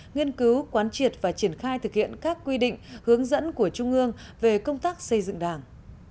nghiên cứu quán triệt và triển khai thực hiện các quy định hướng dẫn của trung ương về công tác xây dựng đảng